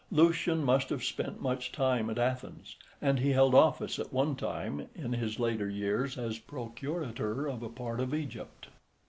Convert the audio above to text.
Lucian must have spent much time at Athens, and he held office at one time in his later years as Procurator of a part of Egypt.